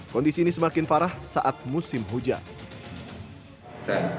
kondisi ini semakin parah saat musim hujan